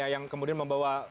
yang kemudian membawa